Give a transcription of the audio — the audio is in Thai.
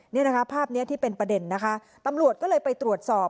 นี่นะคะภาพนี้ที่เป็นประเด็นนะคะตำรวจก็เลยไปตรวจสอบ